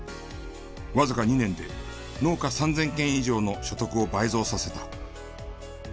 わずか２年で農家３０００軒以上の所得を倍増させた。